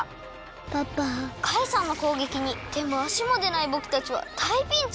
カイさんのこうげきにてもあしもでないぼくたちはだいピンチ！